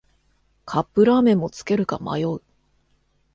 カップラーメンもつけるか迷う